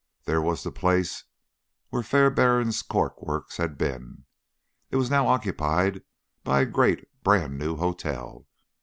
There was the place where Fairbairn's cork works had been. It was now occupied by a great brand new hotel.